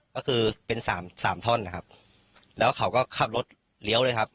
ก็คือเป็นสามสามท่อนนะครับแล้วเขาก็ขับรถเลี้ยวเลยครับ